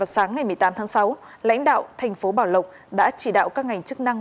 sáng ngày một mươi tám tháng sáu lãnh đạo thành phố bảo lộc đã chỉ đạo các ngành chức năng